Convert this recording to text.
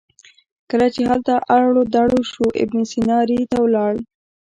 کله چې هلته اړو دوړ شو ابن سینا ري ته ولاړ.